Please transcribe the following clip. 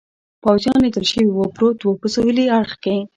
پوځیان لیدل شوي و، پروت و، په سهېلي اړخ کې.